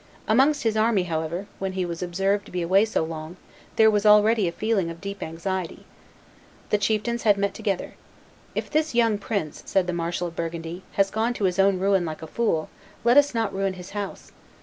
Amongst his army, however, when he was observed to be away so long, there was already a feeling of deep anxiety. The chieftains had met together. "If this young prince," said the marshal of Burgundy, "has gone to his own ruin like a fool, let us not ruin his house.